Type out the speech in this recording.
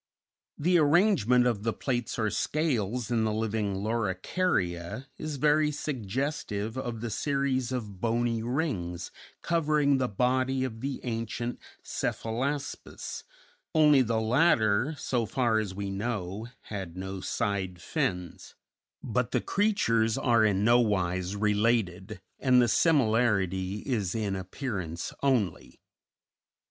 The arrangement of the plates or scales in the living Loricaria is very suggestive of the series of bony rings covering the body of the ancient Cephalaspis, only the latter, so far as we know, had no side fins; but the creatures are in no wise related, and the similarity is in appearance only.